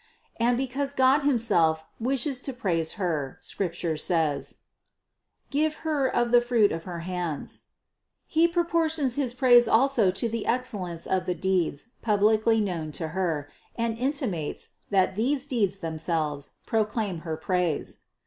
And because God him self wishes to praise Her, Scripture says: "Give her of the fruit of her hands:" He proportions his praise also to the excellence of the deeds publicly known to Her, and intimates, that these deeds themselves proclaim Her praise.